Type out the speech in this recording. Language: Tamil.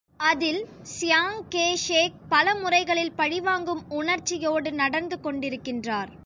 அதில், சியாங் கே ஷேக் பலமுறைகளில் பழிவாங்கும் உணர்ச்சியோடு நடந்து கொண்டிருக்கின்றார்.